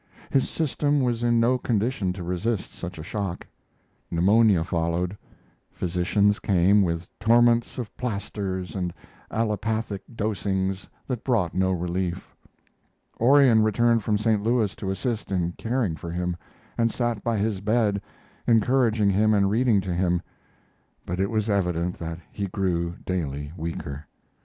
His system was in no condition to resist such a shock. Pneumonia followed; physicians came with torments of plasters and allopathic dosings that brought no relief. Orion returned from St. Louis to assist in caring for him, and sat by his bed, encouraging him and reading to him, but it was evident that he grew daily weaker.